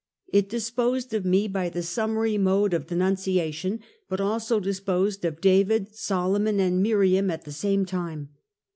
It disposed of me by the summary mode of denunciation, but also disposed of David, Solomon and Miriam at the same time.